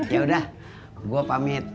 yaudah gue pamit